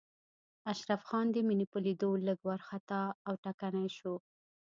اشرف خان د مينې په ليدو لږ وارخطا او ټکنی شو.